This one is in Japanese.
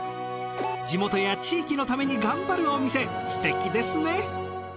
地元や地域のために頑張るお店すてきですね。